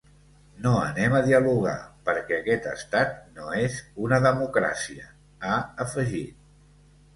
No anem a dialogar, perquè aquest estat no és una democràcia, ha afegit.